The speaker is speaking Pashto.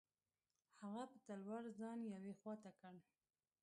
هغه په تلوار ځان یوې خوا ته کړ.